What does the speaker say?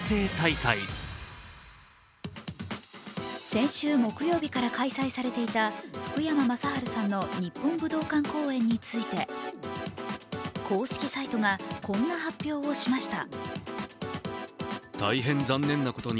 先週木曜日から開催されていた福山雅治さんの日本武道館公演について、公式サイトがこんな発表をしました。